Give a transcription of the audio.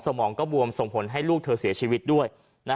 สมองก็บวมส่งผลให้ลูกเธอเสียชีวิตด้วย